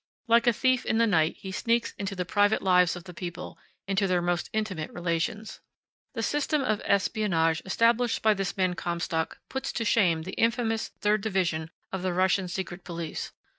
Like a thief in the night he sneaks into the private lives of the people, into their most intimate relations. The system of espionage established by this man Comstock puts to shame the infamous Third Division of the Russian secret police.